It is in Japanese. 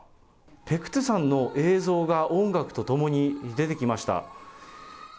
ペクトゥサンの映像が音楽と共に出てきました。